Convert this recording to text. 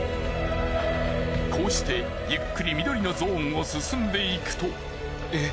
こうしてゆっくり緑のゾーンを進んでいくと。